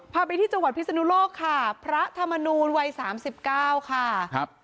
ไปที่จังหวัดพิศนุโลกค่ะพระธรรมนูลวัยสามสิบเก้าค่ะครับ